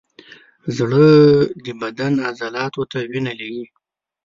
زړه د بدن عضلاتو ته وینه لیږي.